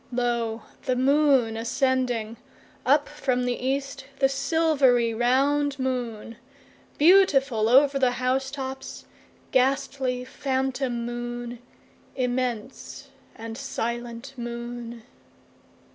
2Lo! the moon ascending! Up from the east, the silvery round moon; Beautiful over the house tops, ghastly phantom moon; Immense and silent moon.